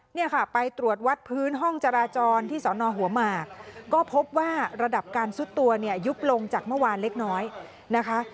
เนี่ยค่ะไปตรวจวัดพื้นห้องจราจรที่สอนอหัวหมากก็พบว่าระดับการซุดตัวเนี่ยยุบลงจากเมื่อวานเล็กน้อยนะคะ